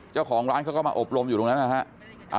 เจ้าของร้านเขาก็มาอบรมอยู่ตรงนั้นนะฮะ